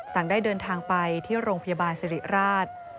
ต่างได้เดินทางไปที่โรงพยาบาลสิริราช